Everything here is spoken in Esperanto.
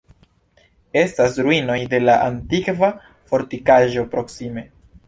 Estas ruinoj de la antikva fortikaĵo proksime.